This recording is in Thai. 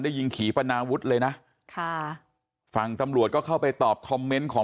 ยิงขี่ปนาวุฒิเลยนะค่ะฝั่งตำรวจก็เข้าไปตอบคอมเมนต์ของ